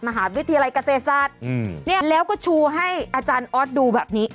มหาวิทยาลัยเกษตรศาสตร์แล้วก็ชูให้อาจารย์ออสดูแบบนี้